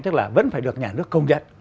tức là vẫn phải được nhà nước công nhận